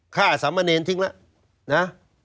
ข้าสามเนรท์ทิ้งแล้วนะ